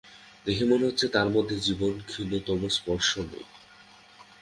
দেখে মনে হচ্ছে, তাঁর মধ্যে জীবনের ক্ষীণতম স্পর্শও নেই।